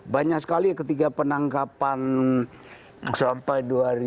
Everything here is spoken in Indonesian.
banyak sekali ketika penangkapan sampai dua ribu tujuh